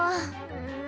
うん。